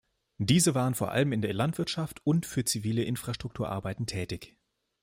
Diese waren vor allem in der Landwirtschaft und für zivile Infrastruktur-Arbeiten tätig.